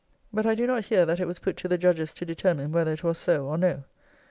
] But I do not hear that it was put to the judges to determine whether it was so or no.